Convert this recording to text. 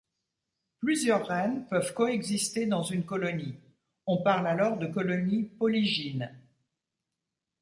Plusieurs reines peuvent coexister dans une colonie, on parle alors de colonie polygyne.